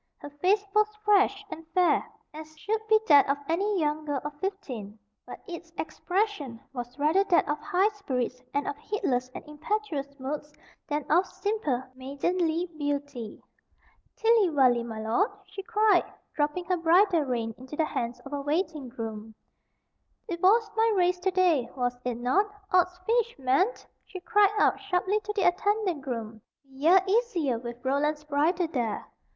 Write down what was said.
Her face was fresh and fair, as should be that of any young girl of fifteen, but its expression was rather that of high spirits and of heedless and impetuous moods than of simple maidenly beauty. "Tilly vally, my lord," she cried, dropping her bridle rein into the hands of a waiting groom, "'t was my race to day, was it not? Odds fish, man!" she cried out sharply to the attendant groom; "be ye easier with Roland's bridle there.